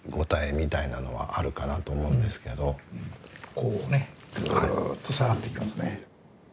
こうねぐっと下がっていきますね。